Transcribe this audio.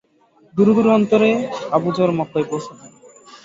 দুরুদুরু অন্তরে Abu Zar মক্কায় পৌঁছলেন।